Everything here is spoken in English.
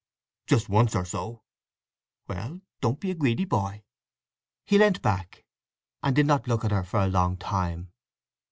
"Just once or so!" "Well—don't be a greedy boy." He leant back, and did not look at her for a long time.